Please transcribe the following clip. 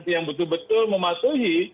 yang betul betul mematuhi